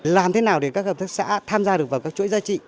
làm thế nào để các hợp tác xã tham gia được vào các chuỗi giá trị